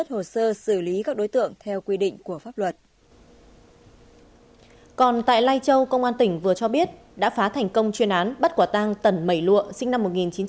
tỉnh lai châu công an tỉnh vừa cho biết đã phá thành công chuyên án bắt quả tăng tẩn mẩy lụa sinh năm một nghìn chín trăm bảy mươi bảy